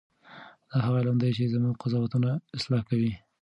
دا هغه علم دی چې زموږ قضاوتونه اصلاح کوي.